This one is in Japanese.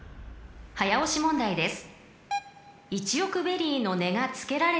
［早押し問題です］